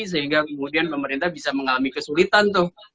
sehingga kemudian pemerintah bisa mengalami kesulitan tuh